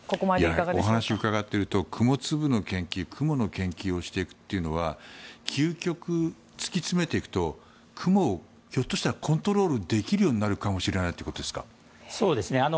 お話を伺っていると雲の研究をしていくということは究極、突き詰めていくと雲をコントロールできるようになるかもしれないんですか。